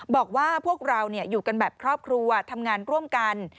บอกว่าพวกเราอยู่กันแบบครอบครัวทำงานร่วมกัน